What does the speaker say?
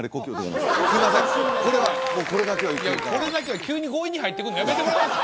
これはこれだけは言っておきたい急に強引に入ってくるのやめてもらえます？